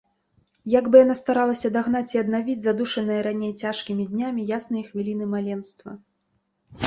Як бы яна старалася дагнаць і аднавіць задушаныя раней цяжкімі днямі ясныя хвіліны маленства!